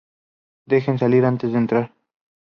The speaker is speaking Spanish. Dejen salir antes de entrar